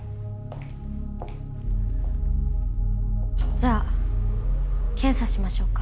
じゃあ検査しましょうか。